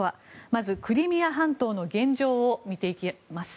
まず、クリミア半島の現状を見ていきます。